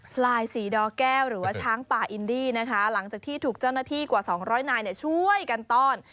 พลายสีดอแก้วหรือว่าช้างป่าอินดี้นะคะหลังจากที่ถูกเจ้าหน้าที่กว่า๒๐๐นายช่วยกันต้อน